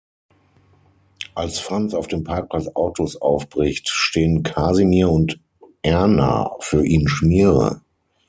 Als Franz auf dem Parkplatz Autos aufbricht, stehen Kasimir und Erna für ihn Schmiere.